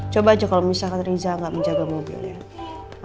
coba aja kalau misalkan riza nggak menjaga mobilnya